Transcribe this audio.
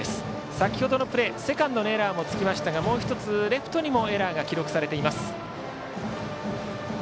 先程のプレーはセカンドのエラーもつきましたがもう１つ、レフトにもエラーが記録されています。